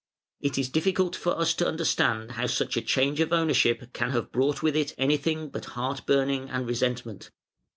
It is difficult for us to understand how such a change of ownership can have brought with it anything but heart burning and resentment.